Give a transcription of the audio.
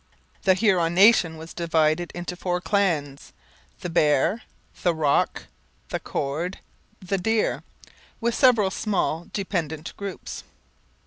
The Huron nation was divided into four clans the Bear, the Rock, the Cord, the Deer with several small dependent groups.